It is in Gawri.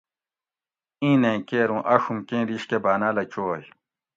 ایں نیں کیر اوُں آڛوم کیں دیش کہ باۤناۤلہ چوئ